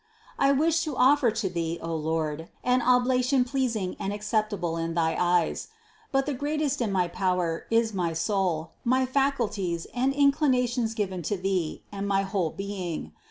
I wish to offer to Thee, O Lord, an oblation pleasing and acceptable in thy eyes: but the greatest in my power, is my soul, my faculties and in clinations given to Thee, and my whole being.